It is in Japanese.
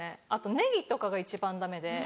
ネギとかが一番ダメで。